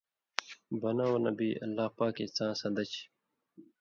بنہ اُو نبی، اللہ پاکے څاں سن٘دہ چھی،